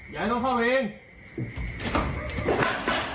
อย่าให้ต้องฟังบิน